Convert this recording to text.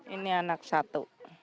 ini anak satu